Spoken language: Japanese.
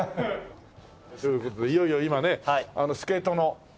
という事でいよいよ今ねスケートの国別の。